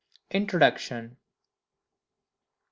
INTRODUCTION. 1.